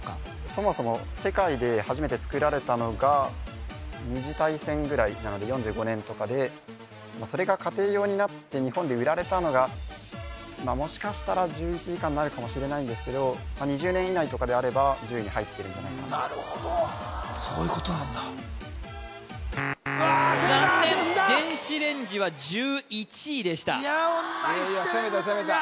そもそも世界で初めて作られたのが２次大戦ぐらいなので４５年とかでそれが家庭用になって日本で売られたのがもしかしたら１１位以下になるかもしれないんですけどまあ２０年以内とかであれば１０位に入ってるんじゃないかなるほどそういうことなんだ残念電子レンジは１１位でしたいやナイスチャレンジ